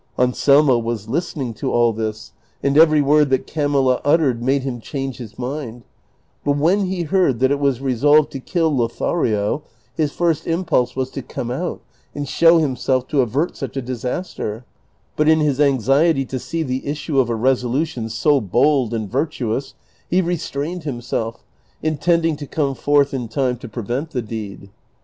Anselmo was listening to all this, and every word that Camilla uttered made him change his mind ; but when he heard that it vvas resolved to kill Lothario his first impulse was to come out and show himself to avert such a disaster ; but in his anxiety to see the issue of a resolution so bold and virtuous he resti'ained himself, inteniiing to come forth in time to prevent the deed.